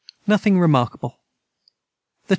Nothing remarkable. the 25.